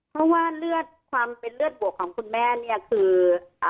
เพราะว่าความเป็นเลือดบวกของคุณแม่คือ